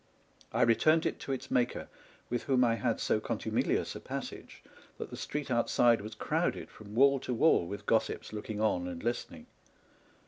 I returned it to its maker, with whom I had so contumelious a passage that the street outside was crowded from wall to wall with gossips looking on and listening.